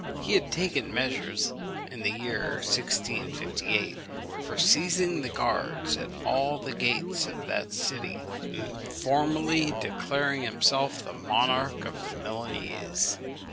He had taken measures, in the year 1658, for seizing the guards at all the gates of that city, and formally declaring himself the monarch of the Milanese.